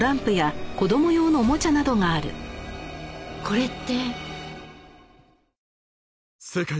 これって。